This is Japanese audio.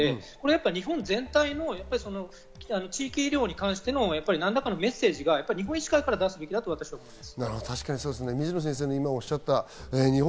日本全体の地域医療に関しての何らかのメッセージを日本医師会から出すべきだと思います。